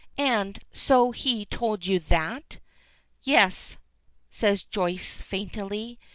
And so he told you that?" "Yes," says Joyce faintly.